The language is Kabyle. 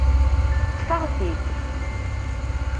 Ṭṭef-aɣ-t-id.